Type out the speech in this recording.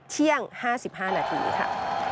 เที่ยง๕๕นาทีค่ะ